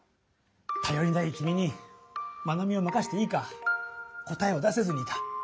たよりない君にまなみをまかせていいか答えを出せずにいた。